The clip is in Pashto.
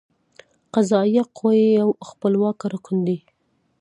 قضائیه قوه یو خپلواکه رکن دی.